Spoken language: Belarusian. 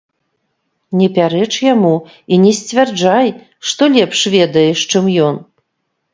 Не пярэч яму і не сцвярджай, што лепш ведаеш, чым ён.